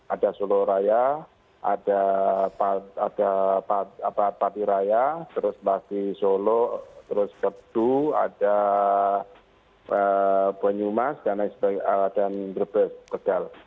ada soloraya ada patiraya terus bati solo terus pedu ada bonyumas dan bebel